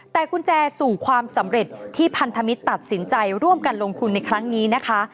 แต่กุญแจสู่ความสำเร็จที่พันธมิตรตัดสินใจร่วมกันลงทุนในครั้งนี้นะคะ